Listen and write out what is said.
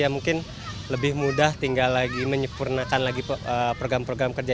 ya mungkin lebih mudah tinggal lagi menyempurnakan lagi program program kerja